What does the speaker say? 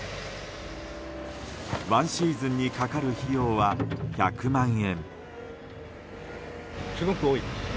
ワンシーズンにかかる費用は１００万円。